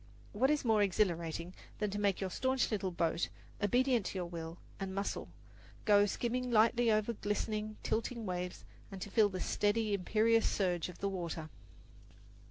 What is more exhilarating than to make your staunch little boat, obedient to your will and muscle, go skimming lightly over glistening, tilting waves, and to feel the steady, imperious surge of the water!